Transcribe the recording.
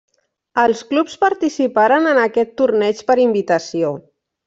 Els clubs participaren en aquest torneig per invitació.